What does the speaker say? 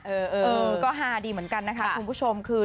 เออก็ฮาดีเหมือนกันนะคะคุณผู้ชมคือ